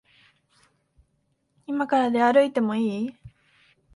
いまから出歩いてもいい？